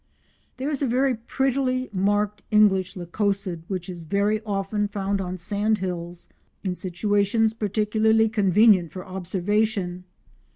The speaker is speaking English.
There is a very prettily marked English Lycosid which is often found on sandhills, in situations particularly convenient for observation.